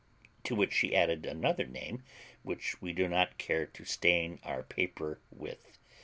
To which she added another name, which we do not care to stain our paper with.